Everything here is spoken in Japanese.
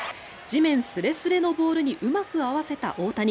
地面すれすれのボールにうまく合わせた大谷。